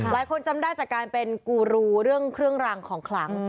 จำได้จากการเป็นกูรูเรื่องเครื่องรางของขลัง